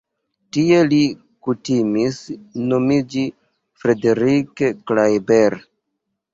Tie li kutimis nomiĝi Frederick Klaeber.